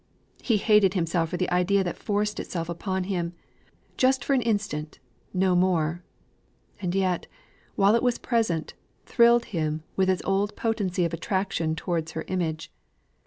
He hated himself for the idea that forced itself upon him, just for an instant no more and yet, while it was present, thrilled him with its old potency of attraction towards her image.